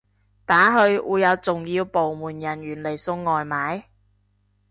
打去會有重要部門人員嚟送外賣？